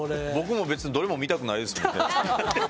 僕も別にどれも見たくないですから。